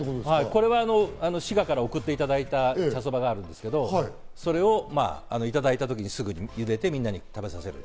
これは千葉から送っていただいた茶そばがあるんですけど、それをいただいた時、すぐに茹でて、みんなに食べさせる。